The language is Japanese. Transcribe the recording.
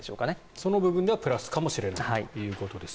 その部分ではプラスかもしれないということです。